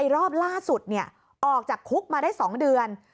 รอบล่าสุดออกจากคุกมาได้๒เดือน